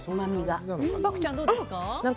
漠ちゃん、どうですか？